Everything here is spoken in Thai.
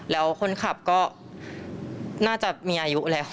แล้วคนขับก็น่าจะมีอายุแล้ว